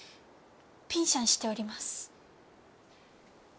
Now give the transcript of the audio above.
ピンシャンしております。